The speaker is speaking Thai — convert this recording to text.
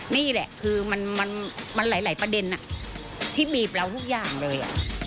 นี่แหละคือมันหลายประเด็นที่บีบเราทุกอย่างเลย